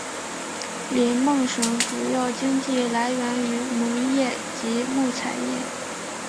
林梦省主要经济来源于农业及木材业。